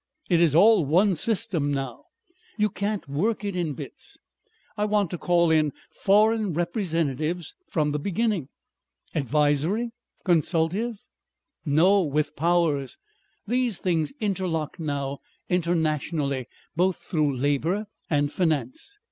It is all one system now. You can't work it in bits. I want to call in foreign representatives from the beginning." "Advisory consultative?" "No. With powers. These things interlock now internationally both through labour and finance.